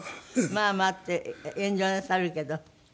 「まあまあ」って遠慮なさるけど本当。